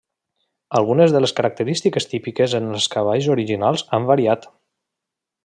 Algunes de les característiques típiques en els cavalls originals han variat.